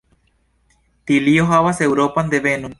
Tilio havas Eŭropan devenon.